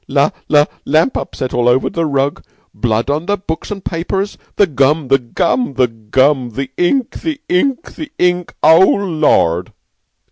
La la lamp upset all over the rug. Blood on the books and papers. The gum! The gum! The gum! The ink! The ink! The ink! Oh, Lord!"